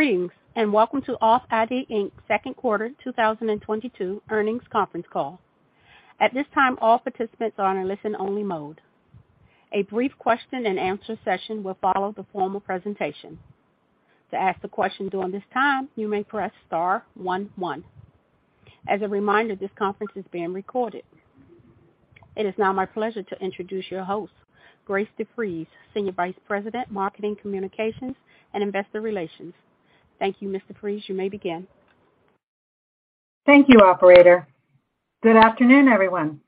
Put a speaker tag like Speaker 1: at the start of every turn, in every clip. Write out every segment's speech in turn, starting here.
Speaker 1: Greetings, and welcome to authID Inc.'s Second Quarter 2022 Earnings Conference Call. At this time, all participants are in listen-only mode. A brief question-and-answer session will follow the formal presentation. To ask the question during this time, you may press star one. As a reminder, this conference is being recorded. It is now my pleasure to introduce your host, Grace DeFries, Senior Vice President, Marketing Communications and Investor Relations. Thank you, Ms. de Fries. You may begin.
Speaker 2: Thank you, operator. Good afternoon, everyone.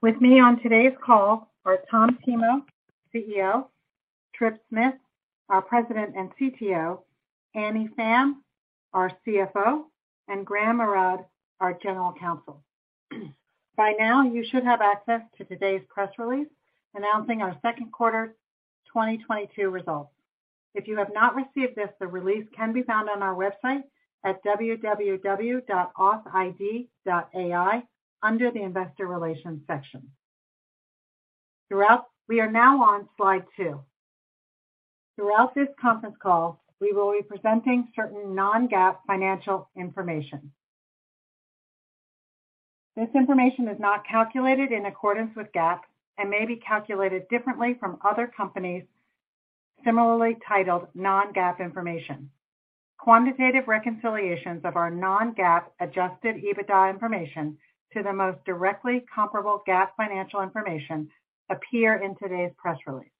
Speaker 2: With me on today's call are Tom Thimot, CEO, Tripp Smith, our President and CTO, Annie Pham, our CFO, and Graham Arad, our General Counsel. By now, you should have access to today's press release announcing our second quarter 2022 results. If you have not received this, the release can be found on our website at www.authid.ai under the Investor Relations section. We are now on slide two. Throughout this conference call, we will be presenting certain non-GAAP financial information. This information is not calculated in accordance with GAAP and may be calculated differently from other companies similarly titled non-GAAP information. Quantitative reconciliations of our non-GAAP Adjusted EBITDA information to the most directly comparable GAAP financial information appear in today's press release.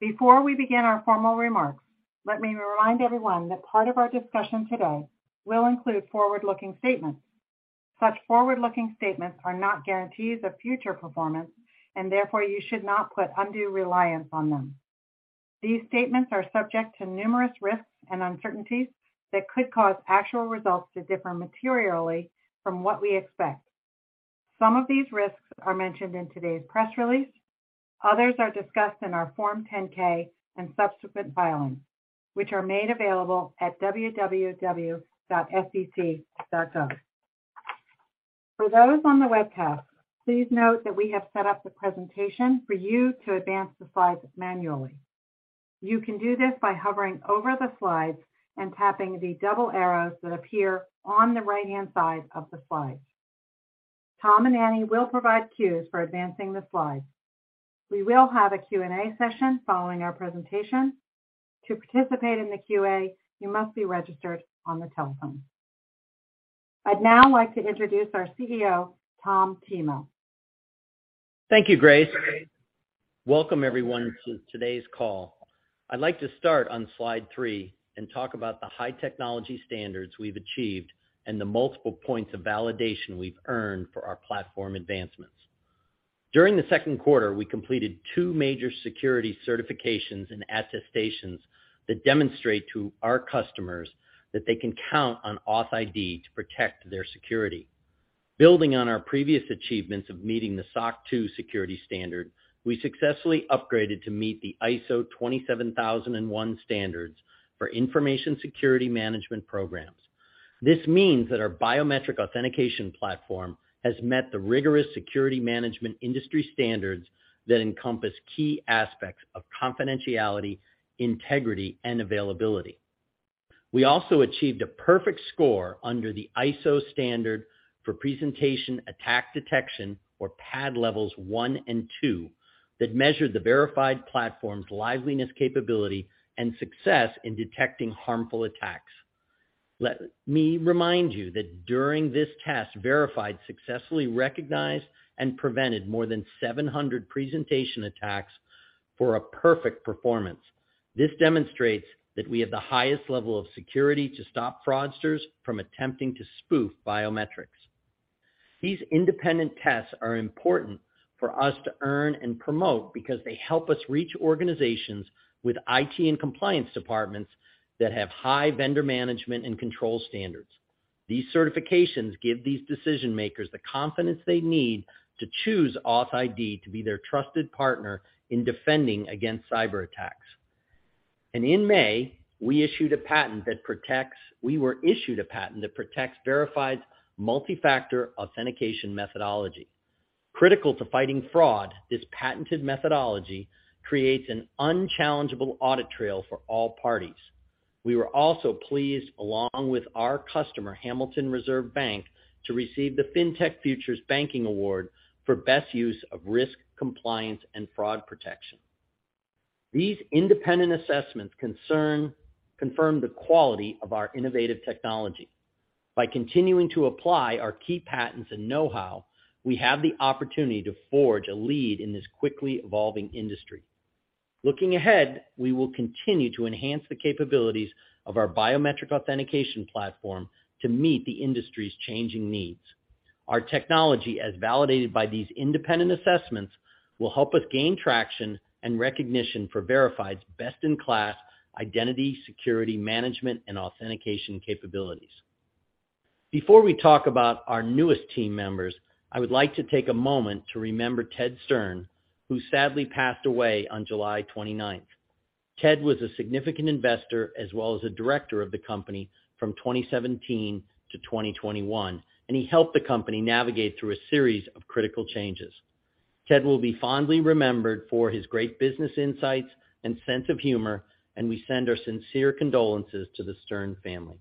Speaker 2: Before we begin our formal remarks, let me remind everyone that part of our discussion today will include forward-looking statements. Such forward-looking statements are not guarantees of future performance, and therefore you should not put undue reliance on them. These statements are subject to numerous risks and uncertainties that could cause actual results to differ materially from what we expect. Some of these risks are mentioned in today's press release. Others are discussed in our Form 10-K and subsequent filings, which are made available at www.sec.gov. For those on the webcast, please note that we have set up the presentation for you to advance the slides manually. You can do this by hovering over the slides and tapping the double arrows that appear on the right-hand side of the slide. Tom and Annie will provide cues for advancing the slides. We will have a Q&A session following our presentation. To participate in the QA, you must be registered on the telephone. I'd now like to introduce our CEO, Tom Thimot.
Speaker 3: Thank you, Grace. Welcome, everyone, to today's call. I'd like to start on slide three and talk about the high technology standards we've achieved and the multiple points of validation we've earned for our platform advancements. During the second quarter, we completed two major security certifications and attestations that demonstrate to our customers that they can count on authID to protect their security. Building on our previous achievements of meeting the SOC 2 security standard, we successfully upgraded to meet the ISO 27001 standards for information security management programs. This means that our biometric authentication platform has met the rigorous security management industry standards that encompass key aspects of confidentiality, integrity, and availability. We also achieved a perfect score under the ISO standard for presentation attack detection or PAD levels one and two that measured the Verified platform's liveness capability and success in detecting harmful attacks. Let me remind you that during this test, Verified successfully recognized and prevented more than 700 presentation attacks for a perfect performance. This demonstrates that we have the highest level of security to stop fraudsters from attempting to spoof biometrics. These independent tests are important for us to earn and promote because they help us reach organizations with IT and compliance departments that have high vendor management and control standards. These certifications give these decision-makers the confidence they need to choose authID to be their trusted partner in defending against cyberattacks. In May, we were issued a patent that protects Verified's multi-factor authentication methodology. Critical to fighting fraud, this patented methodology creates an unchallengeable audit trail for all parties. We were also pleased, along with our customer, Hamilton Reserve Bank, to receive the FinTech Futures Banking Tech Award for best use of risk, compliance, and fraud protection. These independent assessments confirm the quality of our innovative technology. By continuing to apply our key patents and know-how, we have the opportunity to forge a lead in this quickly evolving industry. Looking ahead, we will continue to enhance the capabilities of our biometric authentication platform to meet the industry's changing needs. Our technology, as validated by these independent assessments, will help us gain traction and recognition for Verified's best-in-class identity, security, management, and authentication capabilities. Before we talk about our newest team members, I would like to take a moment to remember Ted Stern, who sadly passed away on July 29th. Ted was a significant investor as well as a director of the company from 2017 to 2021, and he helped the company navigate through a series of critical changes. Ted will be fondly remembered for his great business insights and sense of humor, and we send our sincere condolences to the Stern family.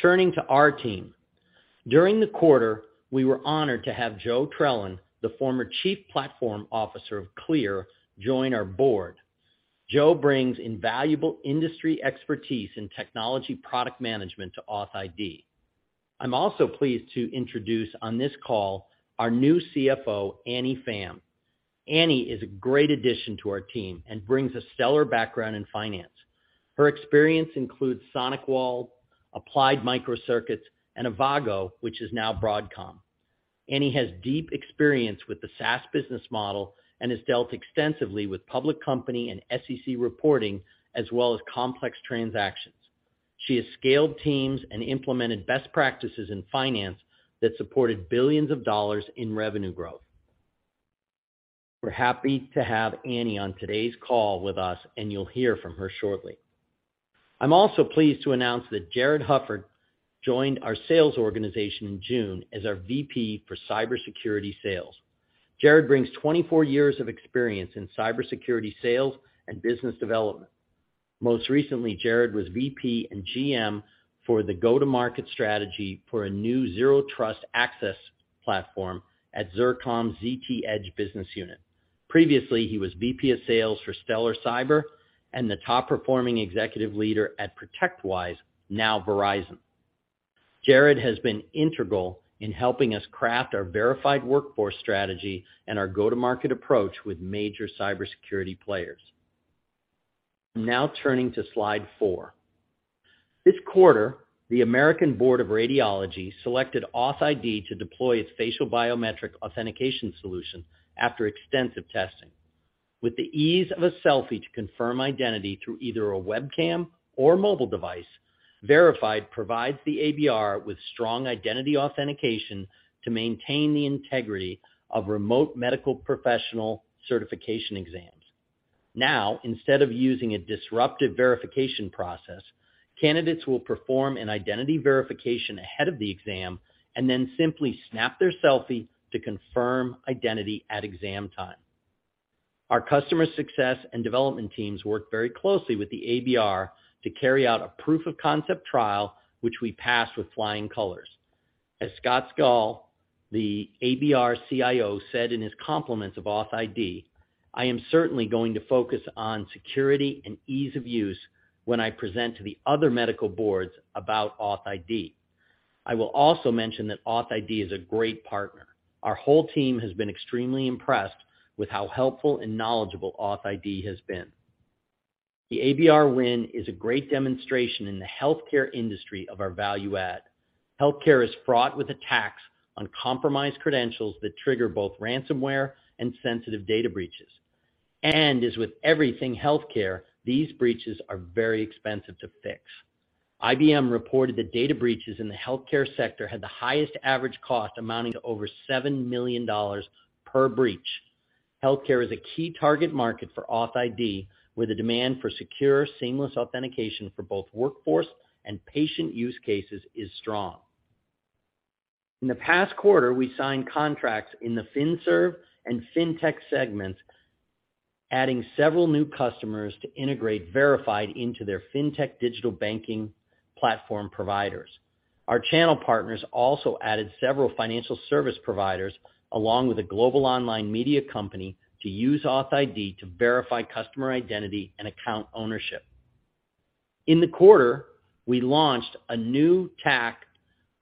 Speaker 3: Turning to our team. During the quarter, we were honored to have Joe Trelin, the former Chief Platform Officer of CLEAR, join our board. Joe brings invaluable industry expertise in technology product management to authID. I'm also pleased to introduce on this call our new CFO, Annie Pham. Annie is a great addition to our team and brings a stellar background in finance. Her experience includes SonicWall, Applied Micro Circuits, and Avago, which is now Broadcom. Annie has deep experience with the SaaS business model and has dealt extensively with public company and SEC reporting, as well as complex transactions. She has scaled teams and implemented best practices in finance that supported billions of dollars in revenue growth. We're happy to have Annie on today's call with us, and you'll hear from her shortly. I'm also pleased to announce that Jared Hufferd joined our sales organization in June as our VP for cybersecurity sales. Jared brings 24 years of experience in cybersecurity sales and business development. Most recently, Jared was VP and GM for the go-to-market strategy for a new zero-trust access platform at Zerto's zT Edge business unit. Previously, he was VP of sales for Stellar Cyber and the top-performing executive leader at ProtectWise, now Verizon. Jared has been integral in helping us craft our Verified Workforce strategy and our go-to-market approach with major cybersecurity players. I'm now turning to slide four. This quarter, the American Board of Radiology selected authID to deploy its facial biometric authentication solution after extensive testing. With the ease of a selfie to confirm identity through either a webcam or mobile device, Verified provides the ABR with strong identity authentication to maintain the integrity of remote medical professional certification exams. Now, instead of using a disruptive verification process, candidates will perform an identity verification ahead of the exam and then simply snap their selfie to confirm identity at exam time. Our customer success and development teams work very closely with the ABR to carry out a proof of concept trial, which we passed with flying colors. As Scott Scull, the ABR CIO, said in his compliments of authID, "I am certainly going to focus on security and ease of use when I present to the other medical boards about authID. I will also mention that authID is a great partner. Our whole team has been extremely impressed with how helpful and knowledgeable authID has been." The ABR win is a great demonstration in the healthcare industry of our value add. Healthcare is fraught with attacks on compromised credentials that trigger both ransomware and sensitive data breaches. As with everything healthcare, these breaches are very expensive to fix. IBM reported that data breaches in the healthcare sector had the highest average cost amounting to over $7 million per breach. Healthcare is a key target market for authID, where the demand for secure, seamless authentication for both workforce and patient use cases is strong. In the past quarter, we signed contracts in the fin serv and fintech segments, adding several new customers to integrate Verified into their fintech digital banking platform providers. Our channel partners also added several financial service providers along with a global online media company to use authID to verify customer identity and account ownership. In the quarter, we launched a new tack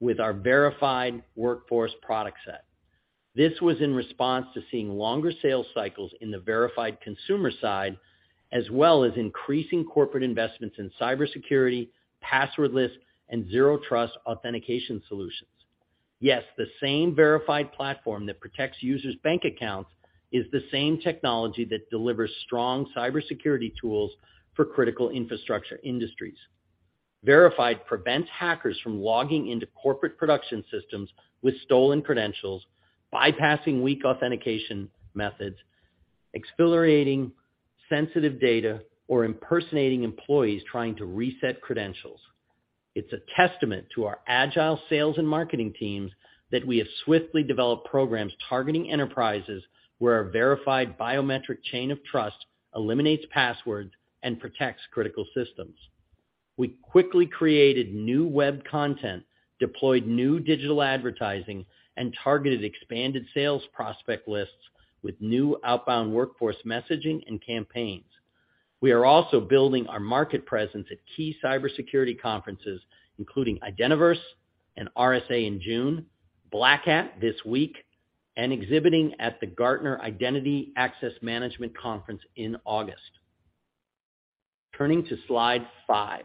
Speaker 3: with our Verified Workforce product set. This was in response to seeing longer sales cycles in the Verified consumer side, as well as increasing corporate investments in cybersecurity, passwordless, and zero trust authentication solutions. Yes, the same Verified platform that protects users' bank accounts is the same technology that delivers strong cybersecurity tools for critical infrastructure industries. Verified prevents hackers from logging into corporate production systems with stolen credentials, bypassing weak authentication methods, exfiltrating sensitive data or impersonating employees trying to reset credentials. It's a testament to our agile sales and marketing teams that we have swiftly developed programs targeting enterprises where our Verified biometric chain of trust eliminates passwords and protects critical systems. We quickly created new web content, deployed new digital advertising, and targeted expanded sales prospect lists with new outbound workforce messaging and campaigns. We are also building our market presence at key cybersecurity conferences, including Identiverse and RSA in June, Black Hat this week, and exhibiting at the Gartner Identity & Access Management Summit in August. Turning to slide five.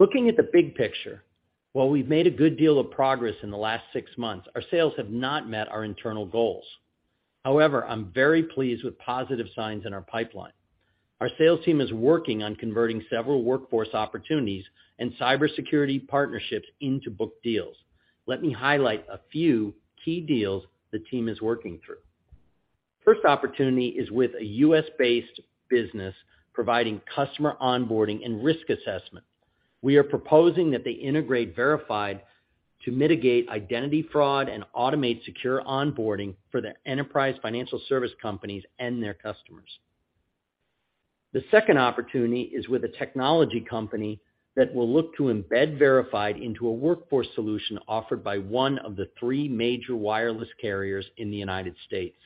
Speaker 3: Looking at the big picture, while we've made a good deal of progress in the last six months, our sales have not met our internal goals. However, I'm very pleased with positive signs in our pipeline. Our sales team is working on converting several workforce opportunities and cybersecurity partnerships into booked deals. Let me highlight a few key deals the team is working through. First opportunity is with a U.S.-based business providing customer onboarding and risk assessment. We are proposing that they integrate Verified to mitigate identity fraud and automate secure onboarding for the enterprise financial service companies and their customers. The second opportunity is with a technology company that will look to embed Verified into a workforce solution offered by one of the three major wireless carriers in the United States.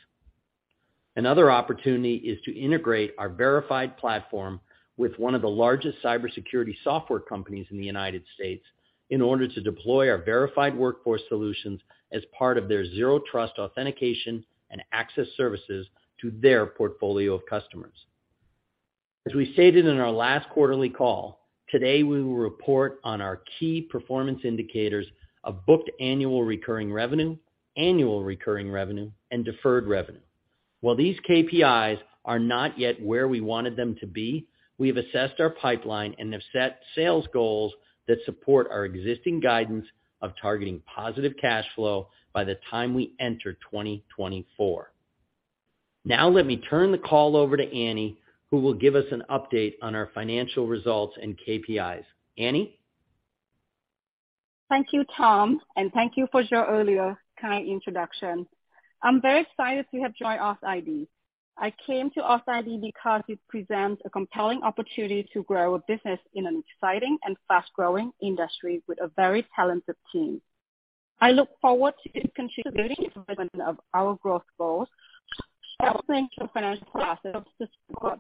Speaker 3: Another opportunity is to integrate our Verified platform with one of the largest cybersecurity software companies in the United States in order to deploy our Verified Workforce solutions as part of their zero trust authentication and access services to their portfolio of customers. As we stated in our last quarterly call, today we will report on our key performance indicators of booked annual recurring revenue, annual recurring revenue and deferred revenue. While these KPIs are not yet where we wanted them to be, we have assessed our pipeline and have set sales goals that support our existing guidance of targeting positive cash flow by the time we enter 2024. Now let me turn the call over to Annie, who will give us an update on our financial results and KPIs. Annie.
Speaker 4: Thank you, Tom, and thank you for your earlier kind introduction. I'm very excited to have joined authID. I came to authID because it presents a compelling opportunity to grow a business in an exciting and fast-growing industry with a very talented team. I look forward to contributing of our growth goals, strengthening financial processes to support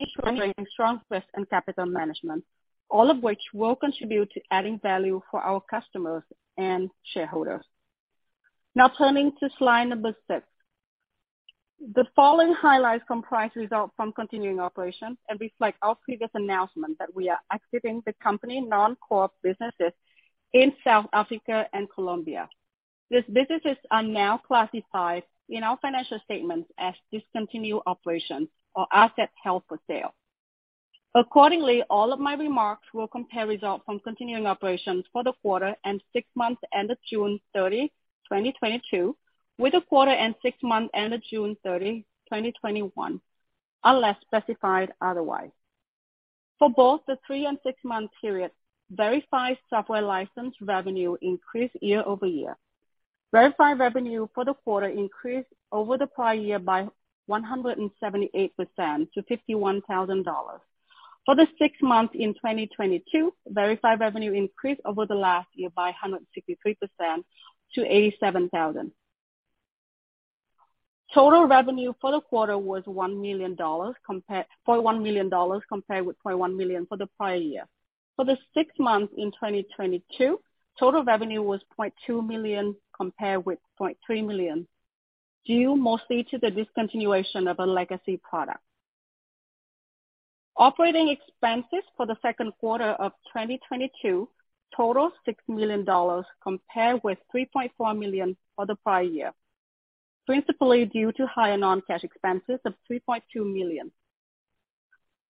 Speaker 4: ensuring strong risk and capital management, all of which will contribute to adding value for our customers and shareholders. Now turning to slide number six. The following highlights comprise results from continuing operations and reflect our previous announcement that we are exiting the company's non-core businesses in South Africa and Colombia. These businesses are now classified in our financial statements as discontinued operations or assets held for sale. Accordingly, all of my remarks will compare results from continuing operations for the quarter and six months ended June 30, 2022, with the quarter and six months ended June 30, 2021, unless specified otherwise. For both the three and six-month period, Verified software license revenue increased year-over-year. Verified revenue for the quarter increased over the prior year by 178% to $51,000. For the six months in 2022, Verified revenue increased over the last year by 163% to $87,000. Total revenue for the quarter was $1 million compared with $0.1 million for the prior year. For the six months in 2022, total revenue was $0.2 million, compared with $0.3 million, due mostly to the discontinuation of a legacy product. Operating expenses for the second quarter of 2022 total $6 million, compared with $3.4 million for the prior year, principally due to higher non-cash expenses of $3.2 million.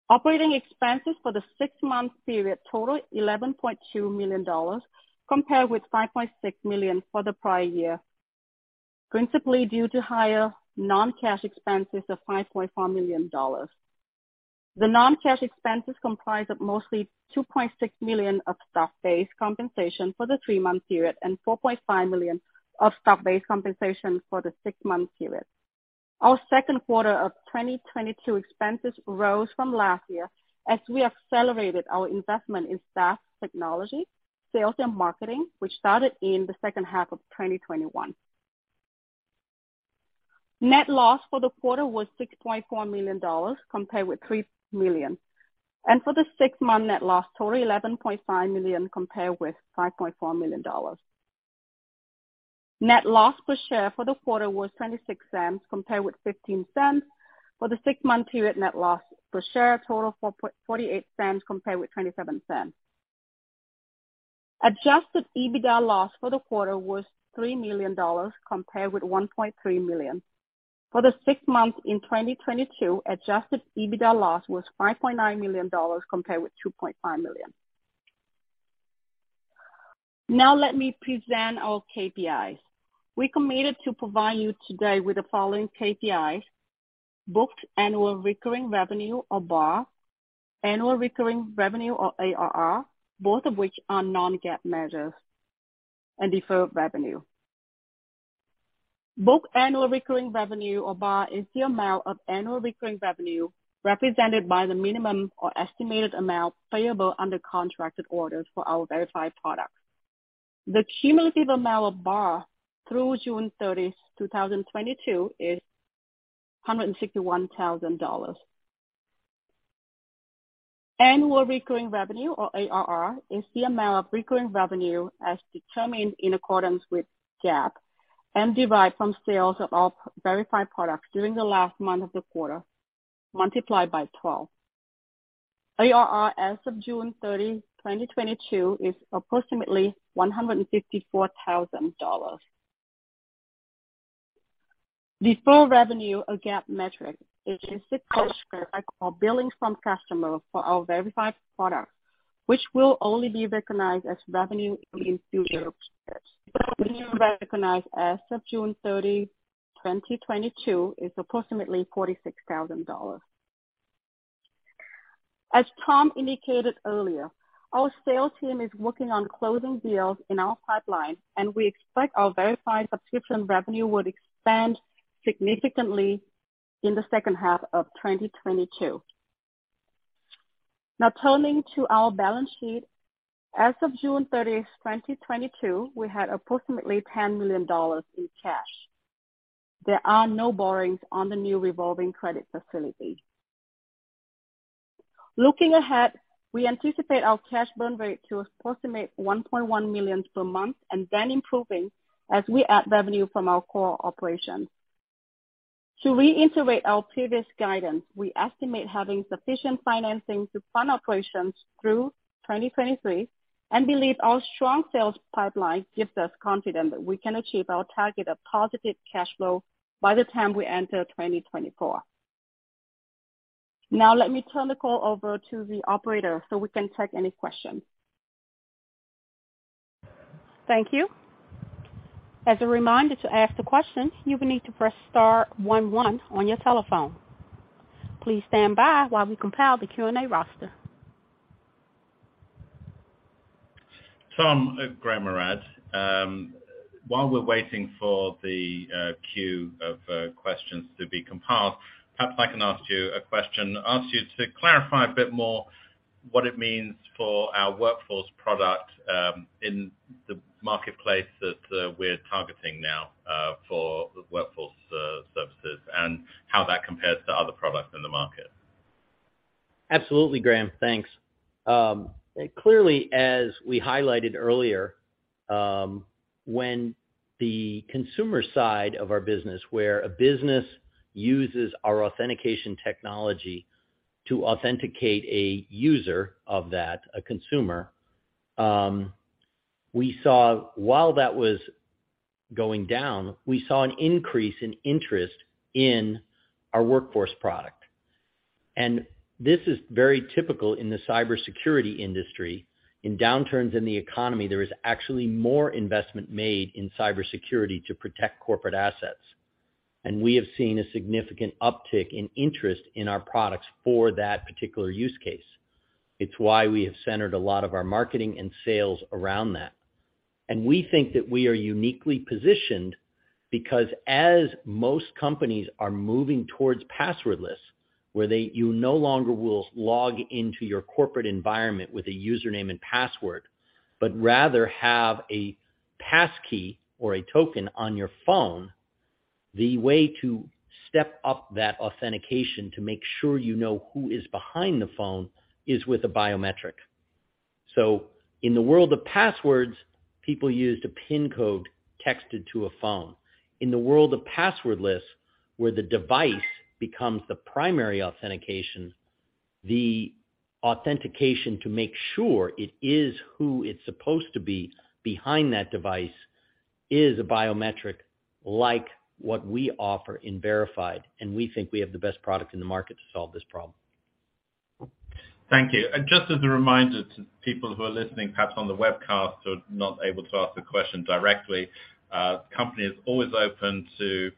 Speaker 4: Operating expenses for the six-month period totaled $11.2 million, compared with $5.6 million for the prior year, principally due to higher non-cash expenses of $5.4 million. The non-cash expenses comprise of mostly $2.6 million of stock-based compensation for the three-month period and $4.5 million of stock-based compensation for the six-month period. Our second quarter of 2022 expenses rose from last year as we accelerated our investment in staff technology, sales and marketing, which started in the second half of 2021. Net loss for the quarter was $6.4 million, compared with $3 million, for the six-month net loss totaled $11.5 million, compared with $5.4 million. Net loss per share for the quarter was $0.26, compared with $0.15. For the six-month period net loss per share totaled $0.48 Compared with $0.27. Adjusted EBITDA loss for the quarter was $3 million compared with $1.3 million. For the six months in 2022, Adjusted EBITDA loss was $5.9 million compared with $2.5 million. Now let me present our KPIs. We committed to provide you today with the following KPIs: Booked annual recurring revenue or BAR, annual recurring revenue or ARR, both of which are non-GAAP measures, and deferred revenue. Booked annual recurring revenue, or BAR, is the amount of annual recurring revenue represented by the minimum or estimated amount payable under contracted orders for our Verified products. The cumulative amount of BAR through June 30, 2022, is $161,000. Annual recurring revenue, or ARR, is the amount of recurring revenue as determined in accordance with GAAP and derived from sales of our Verified products during the last month of the quarter multiplied by 12. ARR as of June 30, 2022, is approximately $154,000. Deferred revenue, a GAAP metric, is the billing from customers for our Verified products, which will only be recognized as revenue in future periods. Deferred revenue as of June 30, 2022, is approximately $46,000. As Tom indicated earlier, our sales team is working on closing deals in our pipeline, and we expect our Verified subscription revenue would expand significantly in the second half of 2022. Now turning to our balance sheet. As of June 30, 2022, we had approximately $10 million in cash. There are no borrowings on the new revolving credit facility. Looking ahead, we anticipate our cash burn rate to approximate $1.1 million per month and then improving as we add revenue from our core operations. To reiterate our previous guidance, we estimate having sufficient financing to fund operations through 2023 and believe our strong sales pipeline gives us confidence that we can achieve our target of positive cash flow by the time we enter 2024. Now let me turn the call over to the operator so we can take any questions.
Speaker 1: Thank you. As a reminder, to ask the question, you will need to press star one one on your telephone. Please stand by while we compile the Q&A roster.
Speaker 5: Tom, Graham Arad. While we're waiting for the queue of questions to be compiled, perhaps I can ask you to clarify a bit more what it means for our Workforce product in the marketplace that we're targeting now for Workforce services and how that compares to other products in the market.
Speaker 3: Absolutely, Graham. Thanks. Clearly, as we highlighted earlier, when the consumer side of our business, where a business uses our authentication technology to authenticate a user of that, a consumer, we saw, while that was going down, an increase in interest in our Workforce product. This is very typical in the cybersecurity industry. In downturns in the economy, there is actually more investment made in cybersecurity to protect corporate assets. We have seen a significant uptick in interest in our products for that particular use case. It's why we have centered a lot of our marketing and sales around that. We think that we are uniquely positioned because as most companies are moving towards passwordless, where you no longer will log into your corporate environment with a username and password, but rather have a passkey or a token on your phone, the way to step up that authentication to make sure you know who is behind the phone is with a biometric. In the world of passwords, people used a PIN code texted to a phone. In the world of passwordless, where the device becomes the primary authentication, the authentication to make sure it is who it's supposed to be behind that device is a biometric like what we offer in Verified, and we think we have the best product in the market to solve this problem.
Speaker 5: Thank you. Just as a reminder to people who are listening, perhaps on the webcast, who are not able to ask the question directly, the company is always open to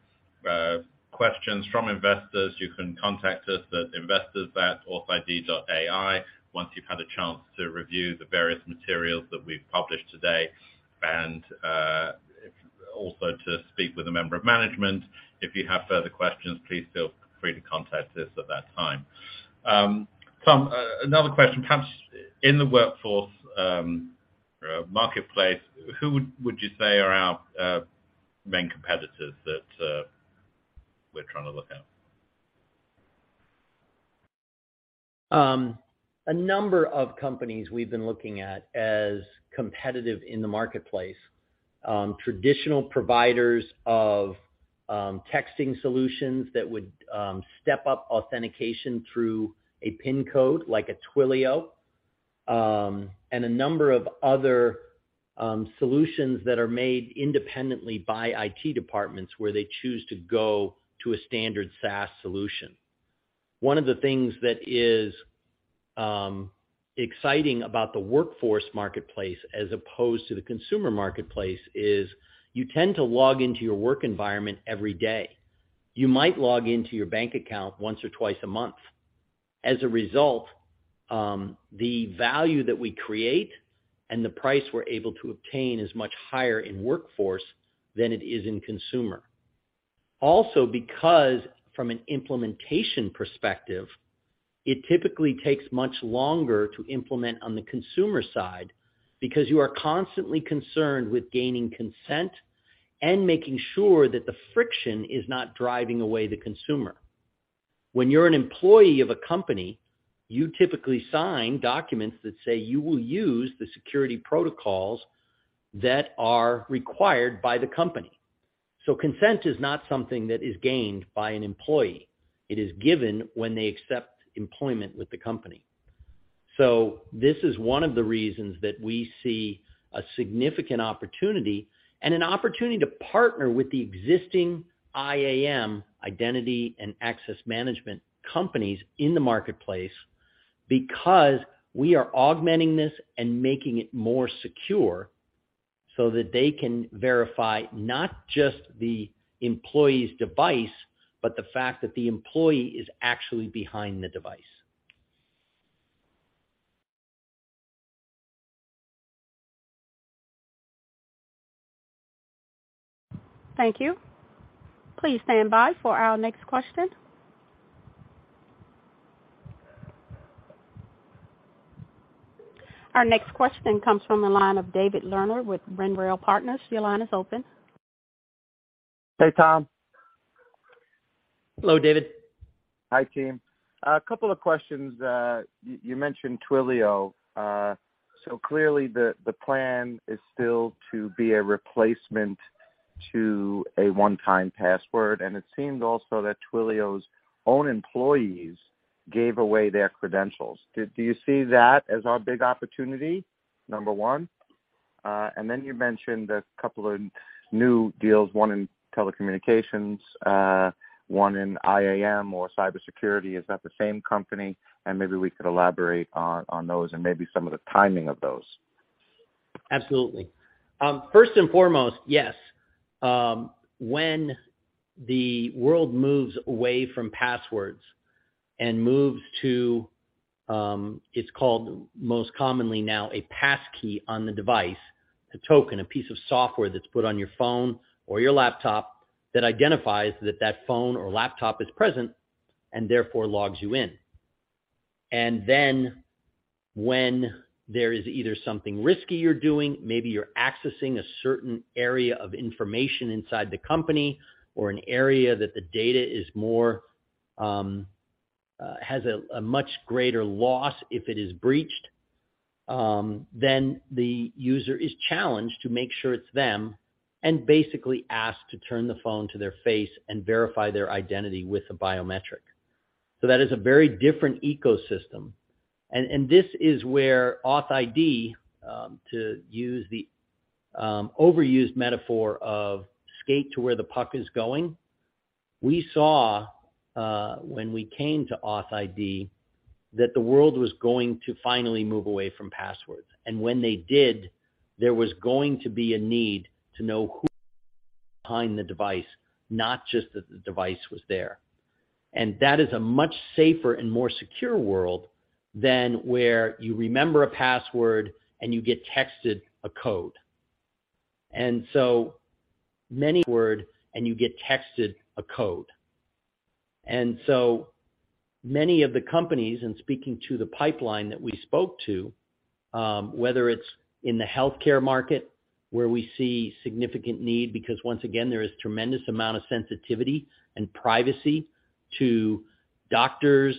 Speaker 5: questions from investors. You can contact us at investors at authid.ai once you've had a chance to review the various materials that we've published today and also to speak with a member of management. If you have further questions, please feel free to contact us at that time. Tom, another question. Perhaps in the Workforce marketplace, who would you say are our main competitors that we're trying to look at?
Speaker 3: A number of companies we've been looking at as competitive in the marketplace, traditional providers of texting solutions that would step up authentication through a PIN code like a Twilio, and a number of other solutions that are made independently by IT departments where they choose to go to a standard SaaS solution. One of the things that is exciting about the Workforce marketplace, as opposed to the consumer marketplace, is you tend to log into your work environment every day. You might log into your bank account once or twice a month. As a result, the value that we create and the price we're able to obtain is much higher in Workforce than it is in consumer. Because from an implementation perspective, it typically takes much longer to implement on the consumer side because you are constantly concerned with gaining consent and making sure that the friction is not driving away the consumer. When you're an employee of a company, you typically sign documents that say you will use the security protocols that are required by the company. Consent is not something that is gained by an employee. It is given when they accept employment with the company. This is one of the reasons that we see a significant opportunity and an opportunity to partner with the existing IAM, Identity and Access Management companies in the marketplace because we are augmenting this and making it more secure so that they can verify not just the employee's device, but the fact that the employee is actually behind the device.
Speaker 1: Thank you. Please stand by for our next question. Our next question comes from the line of David Lerner with Renrel Partners. Your line is open.
Speaker 6: Hey, Tom.
Speaker 3: Hello, David.
Speaker 6: Hi, team. A couple of questions. You mentioned Twilio. So clearly the plan is still to be a replacement to a one-time password. It seemed also that Twilio's own employees gave away their credentials. Do you see that as our big opportunity? Number one. Then you mentioned a couple of new deals, one in telecommunications, one in IAM or cybersecurity. Is that the same company? Maybe we could elaborate on those and maybe some of the timing of those.
Speaker 3: Absolutely. First and foremost, yes. When the world moves away from passwords and moves to, it's called most commonly now a passkey on the device, a token, a piece of software that's put on your phone or your laptop that identifies that phone or laptop is present and therefore logs you in. When there is either something risky you're doing, maybe you're accessing a certain area of information inside the company or an area that the data is more, has a much greater loss if it is breached, then the user is challenged to make sure it's them and basically asked to turn the phone to their face and verify their identity with a biometric. That is a very different ecosystem. This is where authID, to use the overused metaphor of skate to where the puck is going. We saw when we came to authID that the world was going to finally move away from passwords. When they did, there was going to be a need to know who behind the device, not just that the device was there. That is a much safer and more secure world than where you remember a password and you get texted a code. So many of the companies, speaking to the pipeline that we spoke to, whether it's in the healthcare market where we see significant need, because once again, there is tremendous amount of sensitivity and privacy to doctors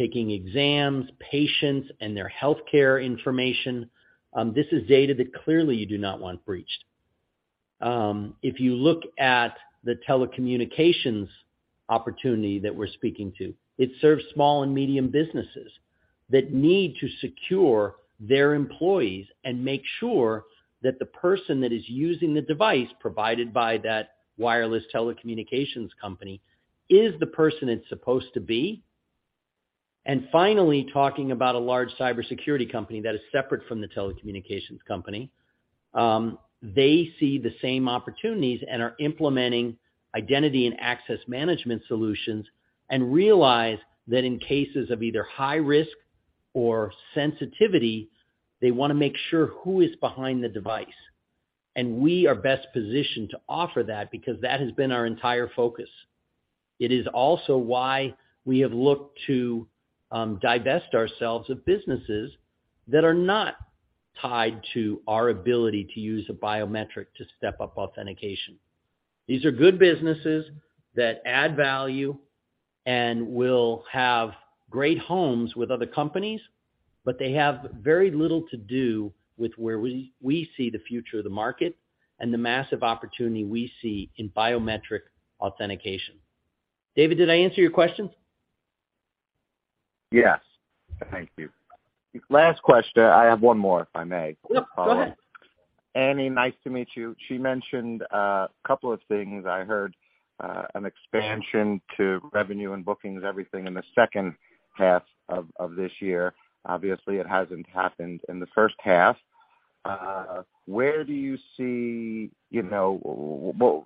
Speaker 3: taking exams, patients and their healthcare information. This is data that clearly you do not want breached. If you look at the telecommunications opportunity that we're speaking to, it serves small and medium businesses that need to secure their employees and make sure that the person that is using the device provided by that wireless telecommunications company is the person it's supposed to be. Finally, talking about a large cybersecurity company that is separate from the telecommunications company, they see the same opportunities and are implementing identity and access management solutions and realize that in cases of either high risk or sensitivity, they wanna make sure who is behind the device. We are best positioned to offer that because that has been our entire focus. It is also why we have looked to divest ourselves of businesses that are not tied to our ability to use a biometric to step up authentication. These are good businesses that add value and will have great homes with other companies, but they have very little to do with where we see the future of the market and the massive opportunity we see in biometric authentication. David, did I answer your questions?
Speaker 6: Yes. Thank you. Last question. I have one more, if I may.
Speaker 3: Yeah, go ahead.
Speaker 6: Annie, nice to meet you. She mentioned a couple of things. I heard an expansion to revenue and bookings, everything in the second half of this year. Obviously, it hasn't happened in the first half. Where do you see, you know, what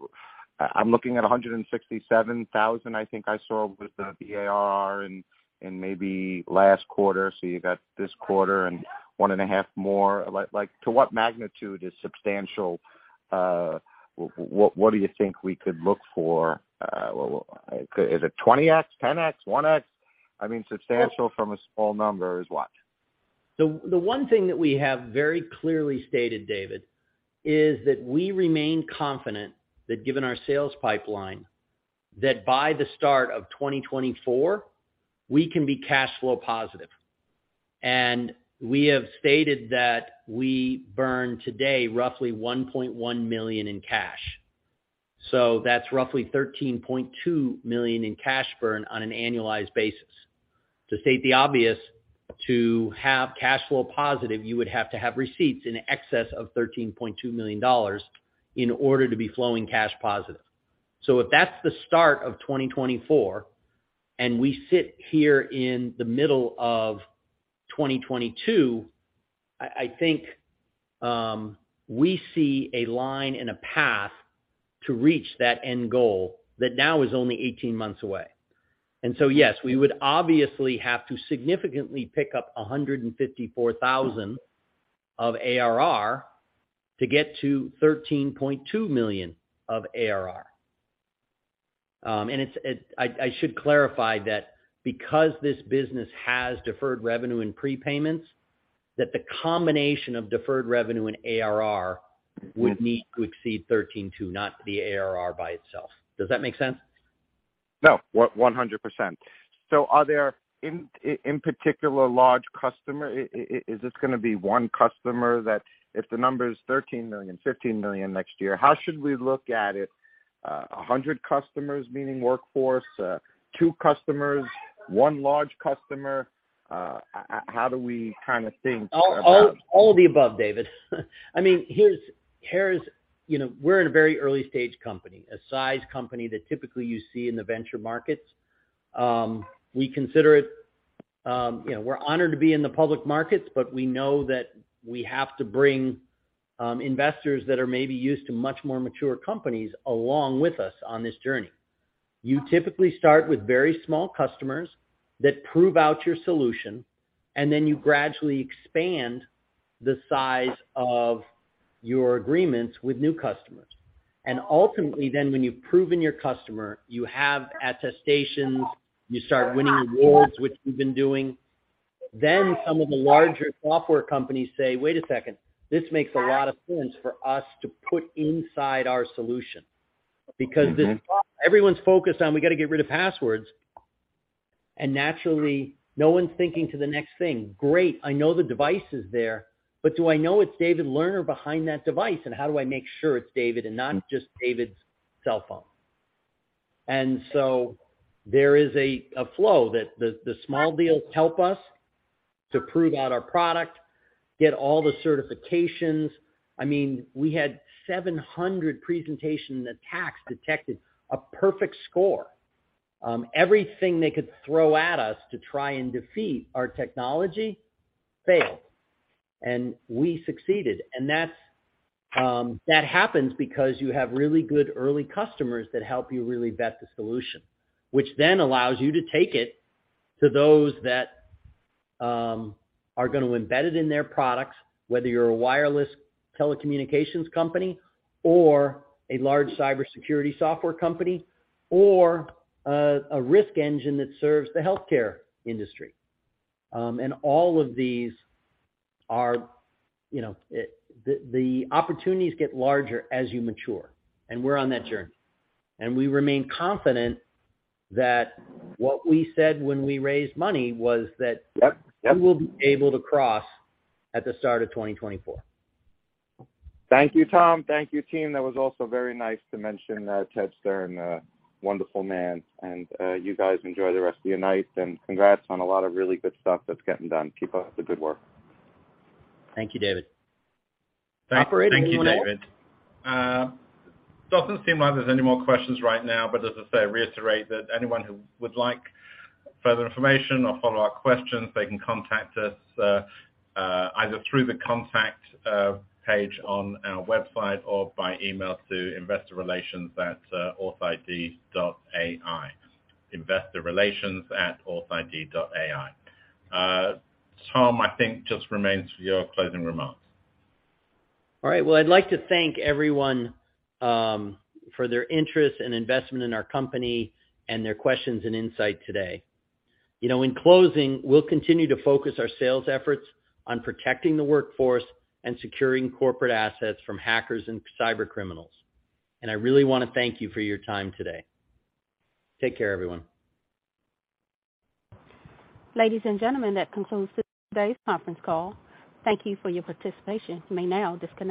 Speaker 6: I'm looking at $167,000, I think I saw with the BAR and maybe last quarter. So you got this quarter and 1.5 more. Like, to what magnitude is substantial? What do you think we could look for? Is it 20x, 10x, 1x? I mean, substantial from a small number is what?
Speaker 3: The one thing that we have very clearly stated, David, is that we remain confident that given our sales pipeline, that by the start of 2024, we can be cash flow positive. We have stated that we burn today roughly $1.1 million in cash. That's roughly $13.2 million in cash burn on an annualized basis. To state the obvious, to have cash flow positive, you would have to have receipts in excess of $13.2 million in order to be flowing cash positive. If that's the start of 2024, we sit here in the middle of 2022. I think we see a line and a path to reach that end goal that now is only 18 months away. Yes, we would obviously have to significantly pick up $154,000 of ARR to get to $13.2 million of ARR. It's, I should clarify that because this business has deferred revenue and prepayments, that the combination of deferred revenue and ARR would need to exceed $13.2 million, not the ARR by itself. Does that make sense?
Speaker 6: No, 100%. Are there, in particular large customer, is this gonna be one customer that if the number is $13 million, $15 million next year, how should we look at it? 100 customers, meaning workforce, two customers, one large customer? How do we kinda think about?
Speaker 3: All of the above, David. I mean, you know, we're in a very early-stage company, a size company that typically you see in the venture markets. We consider it, you know, we're honored to be in the public markets, but we know that we have to bring investors that are maybe used to much more mature companies along with us on this journey. You typically start with very small customers that prove out your solution, and then you gradually expand the size of your agreements with new customers. Ultimately, when you've proven your customer, you have attestations, you start winning awards, which we've been doing. Some of the larger software companies say, "Wait a second, this makes a lot of sense for us to put inside our solution.
Speaker 6: Mm-hmm.
Speaker 3: Because this problem, everyone's focused on, we gotta get rid of passwords. Naturally, no one's thinking to the next thing. Great, I know the device is there, but do I know it's David Lerner behind that device? How do I make sure it's David and not just David's cell phone? There is a flow that the small deals help us to prove out our product, get all the certifications. I mean, we had 700 presentation attacks detected, a perfect score. Everything they could throw at us to try and defeat our technology failed, and we succeeded. That happens because you have really good early customers that help you really vet the solution, which then allows you to take it to those that are gonna embed it in their products, whether you're a wireless telecommunications company or a large cybersecurity software company or a risk engine that serves the healthcare industry. All of these are, you know. The opportunities get larger as you mature, and we're on that journey. We remain confident that what we said when we raised money was that-
Speaker 6: Yep.
Speaker 3: We will be able to cross at the start of 2024.
Speaker 6: Thank you, Tom. Thank you, team. That was also very nice to mention Ted Stern, wonderful man. You guys enjoy the rest of your night, and congrats on a lot of really good stuff that's getting done. Keep up the good work.
Speaker 3: Thank you, David. Operator, anyone else?
Speaker 5: Thank you, David. It doesn't seem like there's any more questions right now, but as I say, reiterate that anyone who would like further information or follow-up questions, they can contact us either through the contact page on our website or by email to investorrelations@authid.ai. Tom, I think just remains for your closing remarks.
Speaker 3: All right. Well, I'd like to thank everyone for their interest and investment in our company and their questions and insight today. You know, in closing, we'll continue to focus our sales efforts on protecting the workforce and securing corporate assets from hackers and cyber criminals. I really wanna thank you for your time today. Take care, everyone.
Speaker 1: Ladies and gentlemen, that concludes today's conference call. Thank you for your participation. You may now disconnect.